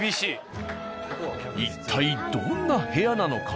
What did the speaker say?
一体どんな部屋なのか？